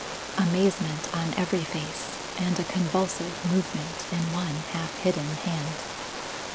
Amazement on every face and a convulsive movement in one half hidden hand.